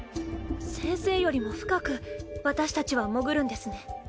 先生よりも深く私たちは潜るんですね。